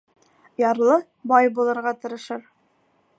Ярлы бай булырға тырышыр